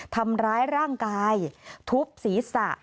ทำร้ายร่างกายทุบศีรษะ